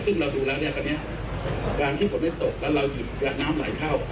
ซึ่งเราดูแล้วเนี่ยตอนนี้การที่ฝนไม่ตกแล้วเราหยุดและน้ำไหลเข้า